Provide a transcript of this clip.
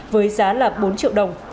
với giá là bốn triệu đồng